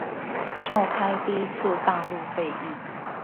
召開第一次大陸會議